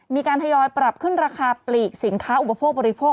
ทยอยปรับขึ้นราคาปลีกสินค้าอุปโภคบริโภค